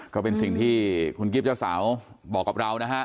ก็เป็นสิ่งที่คุณกิฟต์เจ้าสาวบอกกับเรานะฮะ